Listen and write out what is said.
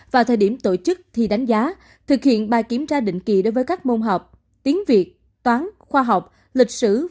vào thời điểm tổ chức thi đánh giá thực hiện bài kiểm tra định kỳ đối với các môn học tiếng việt toán khoa học lịch sử